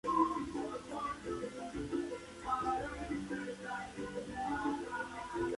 En idioma malayalam su nombre se escribe: Vadasseri Parameswaran.